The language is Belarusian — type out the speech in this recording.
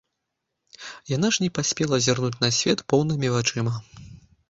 Яна ж не паспела зірнуць на свет поўнымі вачыма.